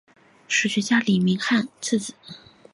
史学家李铭汉次子。